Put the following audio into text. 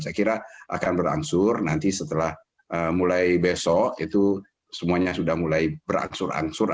saya kira akan berangsur nanti setelah mulai besok itu semuanya sudah mulai berangsur angsur